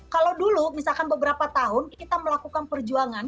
kalau dulu misalkan beberapa tahun kita melakukan perjuangan